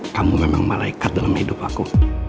kamu memang malaikat dalam hidup aku